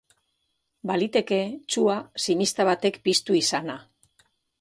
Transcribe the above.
Baliteke sua tximista batek piztu izana.